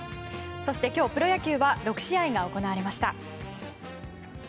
そして今日、プロ野球は６試合が行われました。